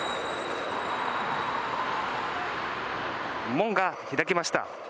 門が開きました。